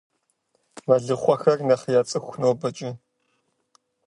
Мэлыхъуэхьэр нэхъ яцӀыху нобэкӀэ.